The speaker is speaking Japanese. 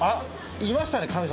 いましたね神様。